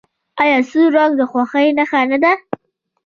آیا سور رنګ د خوښۍ نښه نه ده؟